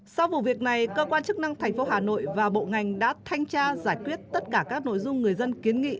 sau vụ việc này cơ quan chức năng thành phố hà nội và bộ ngành đã thanh tra giải quyết tất cả các nội dung người dân kiến nghị